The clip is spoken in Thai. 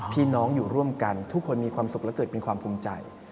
พี่น้องอยู่ร่วมกันทุกคนมีความสุขและเกิดเป็นความภูมิใจ